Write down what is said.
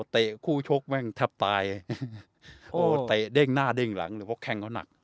คู่ชกแม่งแทบตายโอ้เตะเด้งหน้าเด้งหลังเลยเพราะแข้งเขาหนัก